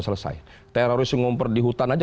selesai teroris ngompor di hutan aja